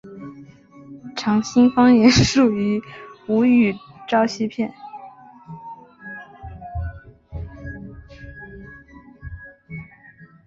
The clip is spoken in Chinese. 长兴方言属于吴语苕溪片。